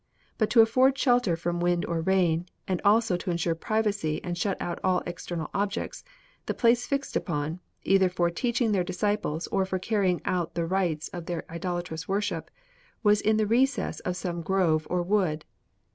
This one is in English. But to afford shelter from wind or rain, and also to ensure privacy and shut out all external objects, the place fixed upon, either for teaching their disciples or for carrying out the rites of their idolatrous worship, was in the recess of some grove or wood.